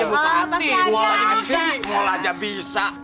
bupati mau ada istiqlal aja bisa